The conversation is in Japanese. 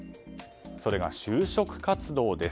それが就職活動です。